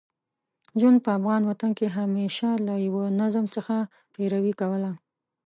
ژوند په افغان وطن کې همېشه له یوه نظم څخه پیروي کوله.